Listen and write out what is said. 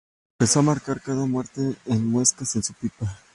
Empezó a marcar cada muerte con muescas en su pipa.